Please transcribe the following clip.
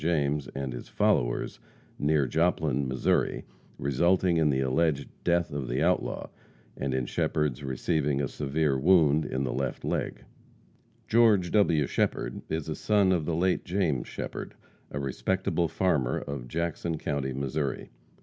James and his followers, near Joplin, Missouri, resulting in the alleged death of the outlaw, and in Shepherd's receiving a severe wound in the left leg. George W. Shepherd is a son of the late James Shepherd, a respectable farmer of Jackson county, Missouri.